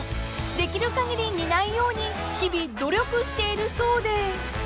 ［できる限り似ないように日々努力しているそうで］